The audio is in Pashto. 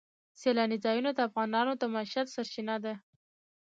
سیلانی ځایونه د افغانانو د معیشت سرچینه ده.